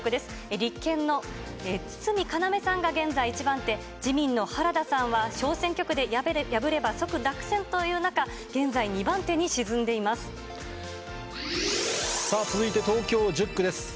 立憲の堤かなめさんが現在１番手、自民の原田さんは、小選挙区で敗れれば、即落選という中、さあ続いて、東京１０区です。